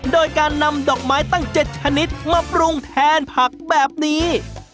โดยการนำดอกไม้ตั้ง๗ชนิดมาปรุงแทนผักแบบนี้